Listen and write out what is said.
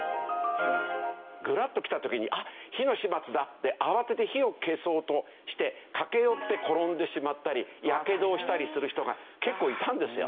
グラッときた時に火の始末だって慌てて火を消そうとして駆け寄って転んでしまったりやけどをしたりする人が結構いたんですよ。